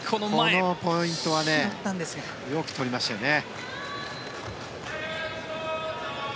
このポイントはよく取りましたね。